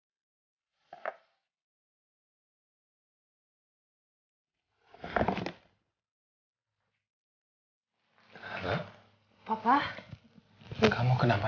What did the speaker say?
rara udah berpikir sama opa davin